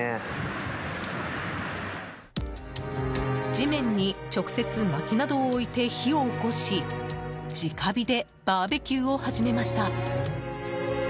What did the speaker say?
地面に直接、まきなどを置いて火を起こし直火でバーベキューを始めました。